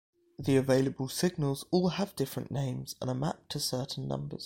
The available signals all have different names, and are mapped to certain numbers.